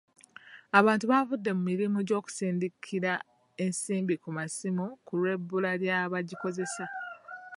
Abantu bavudde mu mirimu gy'okusindikira ensimbi ku masimu ku lw'ebbula ly'abagikozesa.